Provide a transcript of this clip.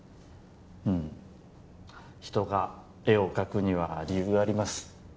うん人が絵を描くには理由があります